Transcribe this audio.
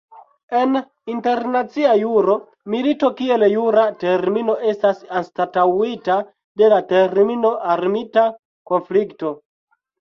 En internacia juro, milito kiel jura termino estas anstataŭita de la termino "armita konflikto".